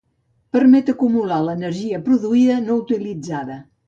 Permet acumular l'energia produïda no utilitzada